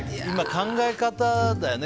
考え方だよね。